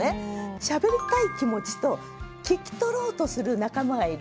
しゃべりたい気持ちと聞き取ろうとする仲間がいる。